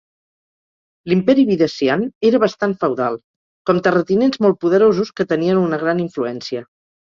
L'imperi Videssian era bastant feudal, com terratinents molt poderosos que tenien una gran influència.